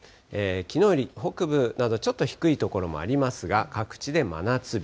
きのうより北部など、ちょっと低い所もありますが、各地で真夏日。